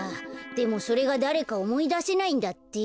でもそれがだれかおもいだせないんだって。